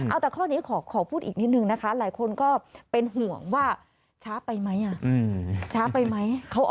เอาแต่ข้อนี้ขอพูดอีกนิดนึงนะคะหลายคนก็เป็นห่วงว่าช้าไปไหมช้าไปไหม